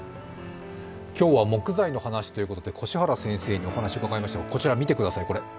今日は木材の話ということで腰原先生にお話を伺いましたが、こちら、見てください。